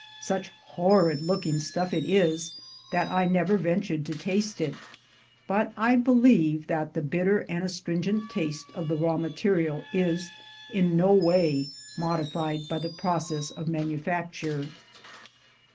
Such horrid looking stuff it is, that I never ventured to taste it; but I believe that the bitter and astringent taste of the raw material is in no way modified by the process of manufac ture.